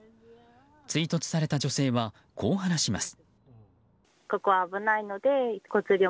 追突された女性はこう話します。